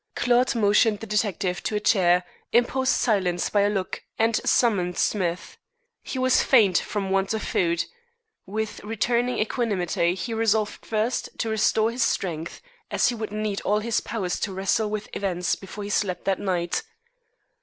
Claude motioned the detective to a chair, imposed silence by a look, and summoned Smith. He was faint from want of food. With returning equanimity he resolved first to restore his strength, as he would need all his powers to wrestle with events before he slept that night.